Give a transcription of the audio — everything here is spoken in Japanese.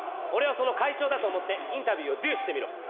おれをその会長だと思ってインタビューをドゥしてみろ。